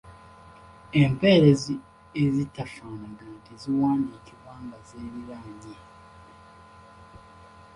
Empeerezi ezitafaanagana teziwandiikibwa nga ziriraanye.